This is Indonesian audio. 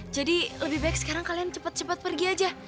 jadi lebih baik sekarang kalian cepat cepat pergi aja